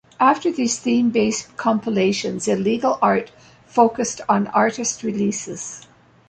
After these theme-based compilations, Illegal Art focused on artist releases.